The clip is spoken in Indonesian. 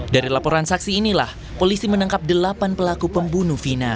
dari laporan saksi inilah polisi menangkap delapan pelaku pembunuh vina